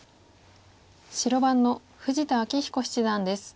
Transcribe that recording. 白番の富士田明彦七段です。